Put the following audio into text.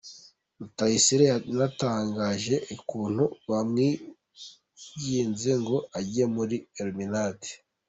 Rutayisire yanatangaje ukuntu bamwinginze ngo age muri Illuminati